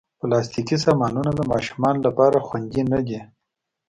پلاستيکي سامانونه د ماشومانو لپاره خوندې نه دي.